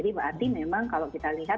di mana transisi lokalnya sekitar tiga ratus ya